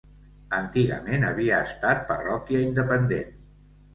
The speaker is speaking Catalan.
Antigament havia estat parròquia independent.